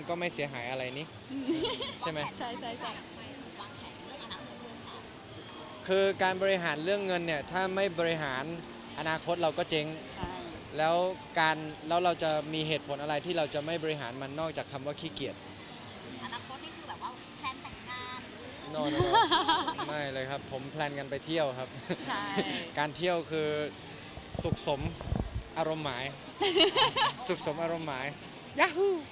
แต่ตอนนี้คือเขาค่อนข้างมั่นใจในการตัดสินใจของเรา